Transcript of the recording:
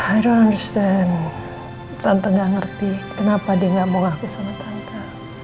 aku gak paham tante gak ngerti kenapa dia gak mau ngaku sama tante